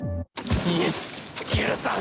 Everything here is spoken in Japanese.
ゆ許さん！